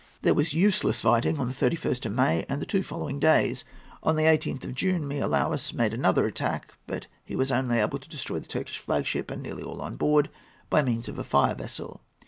There was useless fighting on the 31st of May and the two following days. On the 18th of June, Miaoulis made another attack; but he was only able to destroy the Turkish flag ship, and nearly all on board, by means of a fire vessel.